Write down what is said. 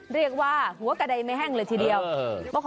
เรียกว่าหัวกระไดไม่แห้งเลยทีเดียวเออเออ